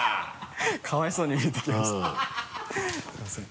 かわいそうに見えてきました すみません。